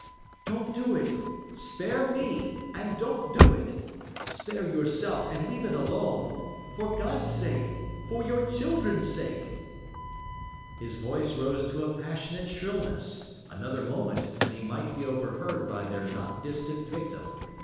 Don't do it. Spare ME, and don't do it spare yourself, and leave it alone for God's sake, for your children's sake!' His voice rose to a passionate shrillness; another moment, and he might be overheard by their not distant victim.